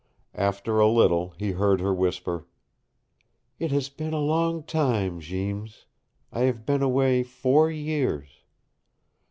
After a little he heard her whisper, "It has been a long time, Jeems. I have been away four years."